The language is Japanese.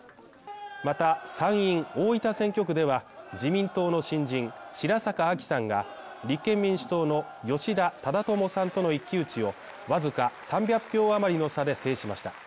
また、参院大分選挙区では自民党の新人白坂亜紀さんが立憲民主党の吉田忠智さんとの一騎打ちをわずか３００票余りの差で制しました。